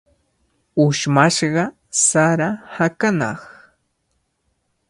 Ushmashqa sara hakanaq.